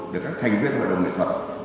để các thành viên hội đồng nghệ thuật